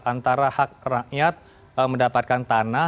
antara hak rakyat mendapatkan tanah